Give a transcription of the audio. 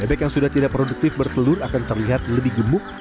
bebek yang sudah tidak produktif bertelur akan terlihat lebih gemuk